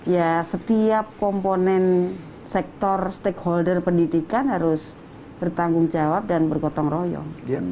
ya setiap komponen sektor stakeholder pendidikan harus bertanggung jawab dan bergotong royong